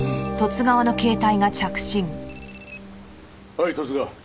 はい十津川。